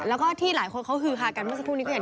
แล้วก็ที่หลายคนเค้าหือคากันนี่สักครู่นิดนึง